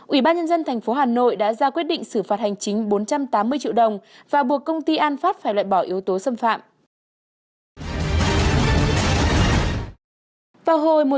ủy ban nhân dân tp hà nội đã ra quyết định xử phạt hành chính bốn trăm tám mươi triệu đồng và buộc công ty an phát phải loại bỏ yếu tố xâm phạm